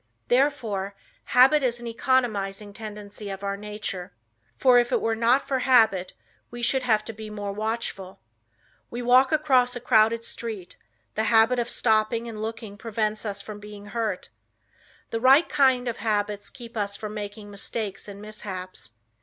Therefore habit is an economizing tendency of our nature, for if it were not for habit we should have to be more watchful. We walk across a crowded street; the habit of stopping and looking prevents us from being hurt. The right kind of habits keeps us from making mistakes and mishaps.